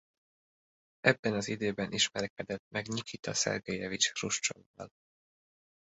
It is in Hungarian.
Ebben az időben ismerkedett meg Nyikita Szergejevics Hruscsovval.